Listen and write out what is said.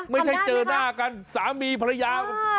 ไม่ใช่เจอหน้ากันสามีภรรยา